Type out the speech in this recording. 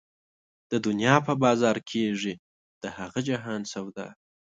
د دنيا په بازار کېږي د هغه جهان سودا